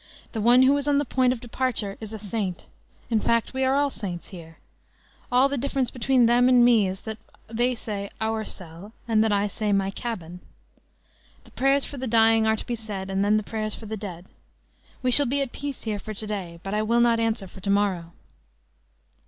The one who is on the point of departure is a saint. In fact, we are all saints here; all the difference between them and me is that they say 'our cell,' and that I say 'my cabin.' The prayers for the dying are to be said, and then the prayers for the dead. We shall be at peace here for to day; but I will not answer for to morrow."